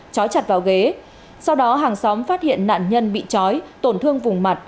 chói chặt vào ghế sau đó hàng xóm phát hiện nạn nhân bị chói tổn thương vùng mặt